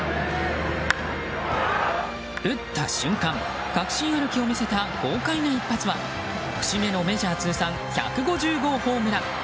打った瞬間、確信歩きを見せた豪快な一発は節目のメジャー通算１５０号ホームラン。